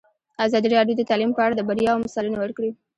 ازادي راډیو د تعلیم په اړه د بریاوو مثالونه ورکړي.